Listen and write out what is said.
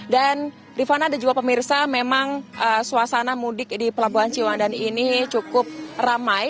dan rifana dan juga pemirsa memang suasana mudik di pelabuhan ciwan dan ini cukup ramai